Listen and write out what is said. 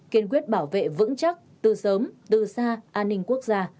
kiên quyết bảo vệ vững chắc từ sớm từ xa an ninh quốc gia